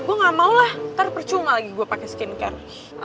gue gak mau lah ntar percuma lagi gue pakai skincare